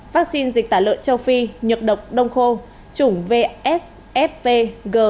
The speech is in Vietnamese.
vắc xin dịch tả lợn châu phi nhược độc đông khô chủng vsfvg